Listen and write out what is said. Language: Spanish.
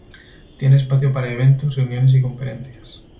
Tiene espacio para eventos, reuniones y conferencias.